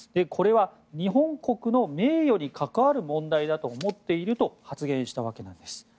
これは日本国の名誉に関わる問題と思っていると発言したわけなんです。